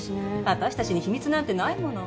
私たちに秘密なんてないもの。